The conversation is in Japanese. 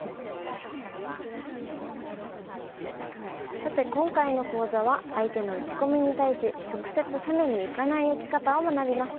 さて今回の講座は相手の打ち込みに対し直接攻めにいかない打ち方を学びました。